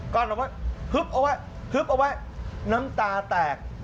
กั้นเอาไว้ขึบเอาไว้หนักตาแตก